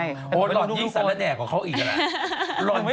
โหรวดริยีสารแหน่กว่าเขาอีกอะไร